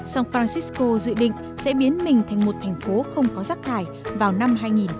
san francisco dự định sẽ biến mình thành một thành phố không có rác thải vào năm hai nghìn hai mươi